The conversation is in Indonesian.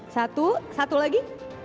satu satu lagi